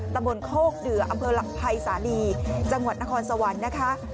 ตำบลโคกเดืออำเภอหลักภัยสาลีจังหวัดนครสวรรค์นะคะ